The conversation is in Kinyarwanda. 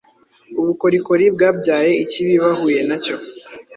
Ubukorikori-bwabyaye ikibi bahuye nacyo